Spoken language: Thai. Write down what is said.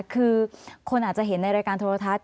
คือคนอาจจะเห็นในรายการโทรทัศน